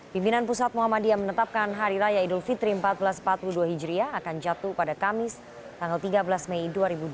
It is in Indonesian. pimpinan pusat muhammadiyah menetapkan hari raya idul fitri seribu empat ratus empat puluh dua hijriah akan jatuh pada kamis tanggal tiga belas mei dua ribu dua puluh